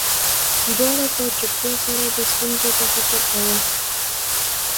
دواړو په چوپتیا سره دې ستونزې ته فکر کاوه